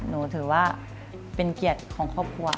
ถือว่าเป็นเกียรติของครอบครัว